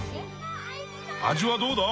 味はどうだ？